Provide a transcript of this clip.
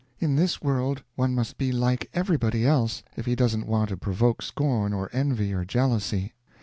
In this world one must be like everybody else if he doesn't want to provoke scorn or envy or jealousy.